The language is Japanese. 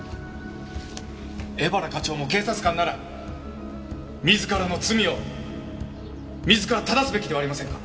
江原課長も警察官なら自らの罪を自らただすべきではありませんか？